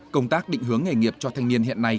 công tác định hướng nghề nghiệp cho thanh niên hiện nay